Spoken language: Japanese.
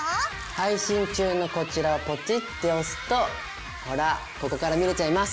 配信中のこちらをポチッて押すとほらここから見れちゃいます。